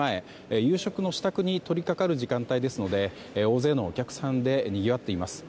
夕食の支度に取り掛かる時間帯ですので大勢のお客さんでにぎわっています。